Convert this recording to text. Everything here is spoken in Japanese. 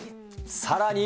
さらに。